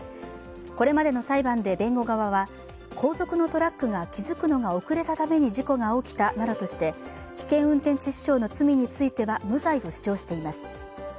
これまでの裁判で弁護側は後続のトラックが気付くのが遅れたために事故が起きたなどとして危険運転致死傷の罪については無罪を主張しています。